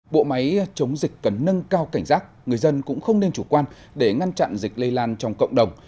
bộ máy chống dịch cần nâng cao cảnh giác người dân cũng không nên chủ quan để ngăn chặn dịch lây lan trong cộng đồng